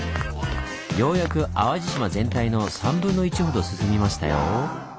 ようやく淡路島全体の３分の１ほど進みましたよ。